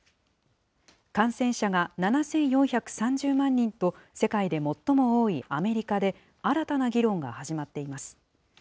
感染者が７４３０万人と、世界で最も多いアメリカで、新たな議論が始まっています。